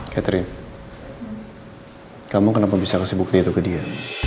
catherine kamu kenapa bisa kasih bukti itu ke dia